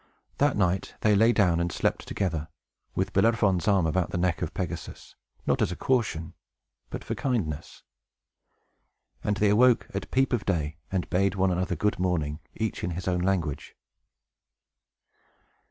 That night they lay down and slept together, with Bellerophon's arm about the neck of Pegasus, not as a caution, but for kindness. And they awoke at peep of day, and bade one another good morning, each in his own language.